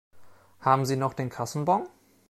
Haben Sie noch den Kassenbon?